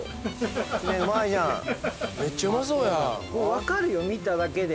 分かるよ見ただけで。